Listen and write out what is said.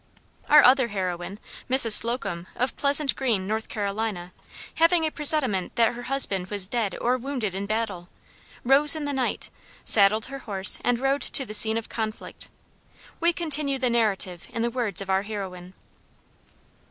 Our other heroine, Mrs. Slocum, of Pleasant Green, North Carolina, having a presentiment that her husband was dead or wounded in battle, rose in the night, saddled her horse, and rode to the scene of conflict. We continue the narrative in the words of our heroine.